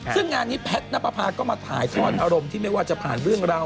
ซึ่งงานนี้แพทย์นับประพาก็มาถ่ายทอดอารมณ์ที่ไม่ว่าจะผ่านเรื่องราว